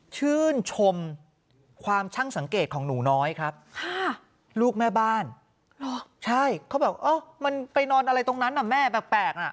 ชื่นชมความช่างสังเกตของหนูน้อยครับค่ะลูกแม่บ้านใช่เขาแบบเออมันไปนอนอะไรตรงนั้นน่ะแม่แปลกน่ะ